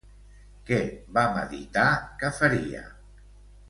Què va meditar que faria?